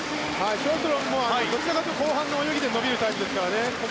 ショーストロムもどちらかというと後半の泳ぎで伸びるタイプですからね。